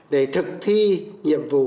để thực thi nhiệm vụ